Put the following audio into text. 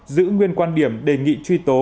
giữ nguyên quan điểm đề nghị truy tố